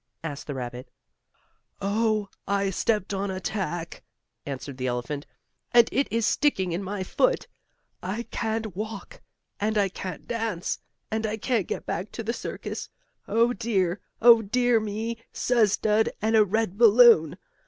asked the rabbit. "Oh, I stepped on a tack," answered the elephant, "and it is sticking in my foot. I can't walk, and I can't dance and I can't get back to the circus. Oh, dear! Oh, dear me, suz dud and a red balloon!